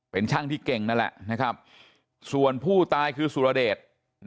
เป็นช่างที่เก่งนั่นแหละนะครับส่วนผู้ตายคือสุรเดช